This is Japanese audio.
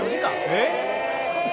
えっ？